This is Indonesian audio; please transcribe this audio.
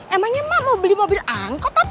emangnya emak mau beli mobil angkot apa